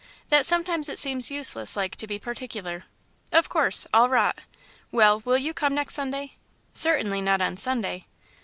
"That sometimes it seems useless like to be particular." "Of course all rot. Well, will you come next Sunday?" "Certainly not on Sunday."